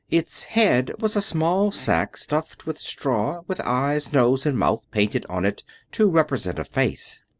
Its head was a small sack stuffed with straw, with eyes, nose, and mouth painted on it to represent a face.